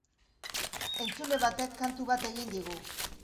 Entzule batek kantu bat egin digu.